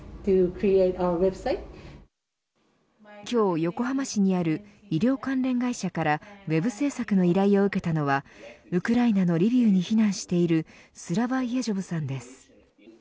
今日、横浜市にある医療関連会社からウェブ制作の依頼を受けたのはウクライナのリビウに避難しているスラバ・イェジョブさんです。